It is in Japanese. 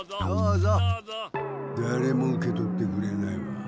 だれも受け取ってくれない。